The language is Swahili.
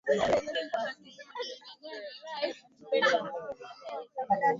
Kenya ambayo imekuwa kihistoria ni mshirika mkubwa zaidi wa kibiashara na Uganda